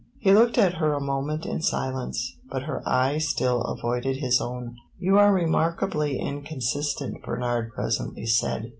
He looked at her a moment in silence, but her eye still avoided his own. "You are remarkably inconsistent," Bernard presently said.